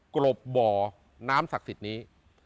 กรบบ่อน้ำศักดิ์สิทธิ์นี้